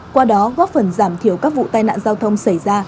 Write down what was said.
qua đó góp phần giảm thiểu các vụ tai nạn giao thông xảy ra